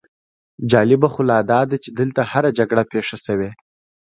جالبه خو لا داده چې دلته هره جګړه پېښه شوې.